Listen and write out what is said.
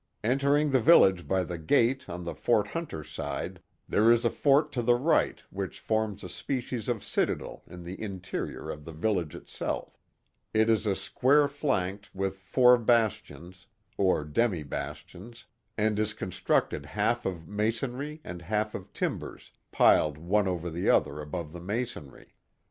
Entering the village by the gate on the Fort Hunter side, there is a fort to the right which forms a species of citadel in the interior of the village it self. It is a square flanked with four bastions, or demi bastions, and is constructed half of masonry and half of limbers, piled one over the other above the masonry.